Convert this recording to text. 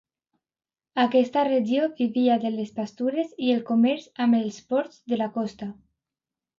Aquesta regió vivia de les pastures i el comerç amb els ports de la costa.